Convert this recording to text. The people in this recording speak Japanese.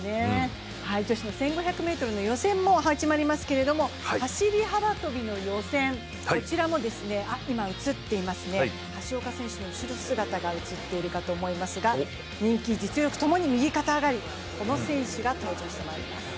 女子の１５００ｍの予選も始まりますけど走幅跳の予選も、橋岡選手の後ろ姿が映っていると思いますが人気、実力ともに右肩上がり、この選手が登場してきます。